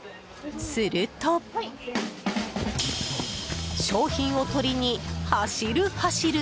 すると、商品を取りに走る走る！